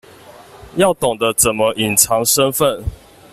要懂得怎麼隱藏身份